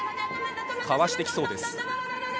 かわしてきそうです。